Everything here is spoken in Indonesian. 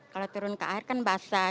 kalau turun ke air kan basah